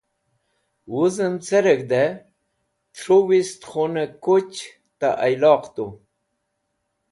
Wuzẽm careg̃hdẽ tru wist khunẽ kuch ta iyloq tu.